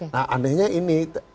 nah anehnya ini